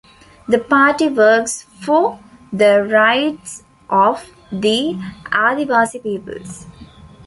The party works for the rights of the Adivasi peoples.